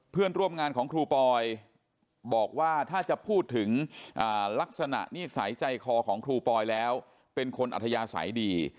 เพื่อนร่วมงานของครูปอยบอกว่าถ้าจะพูดถึงลักษณะนิสัยใจคอของครูปอยแล้วเป็นคนอัธยาศัยดี